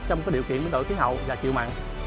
trong cái điều kiện biến độ khí hậu và chịu mặn